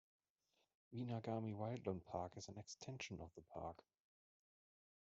"Winagami Wildland Park" is an extension of the park.